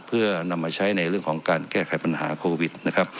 เพื่อนำมาใช้ในเรื่องของการแก้ไขปัญหาโควิดนะครับ